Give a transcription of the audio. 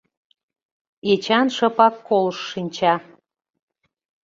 Эчан шыпак колышт шинча.